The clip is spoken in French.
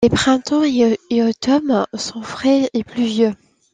Les printemps et automnes sont frais et pluvieux.